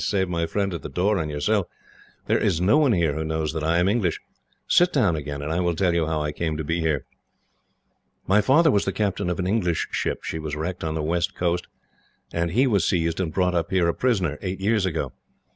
Save my friend at the door and yourself, there is no one here who knows that I am English. Sit down again, and I will tell you how I come to be here. "My father was the captain of an English ship. She was wrecked on the west coast, and he was seized and brought up here a prisoner, eight years ago.